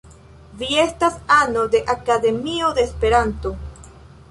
Vi estas ano de Akademio de Esperanto.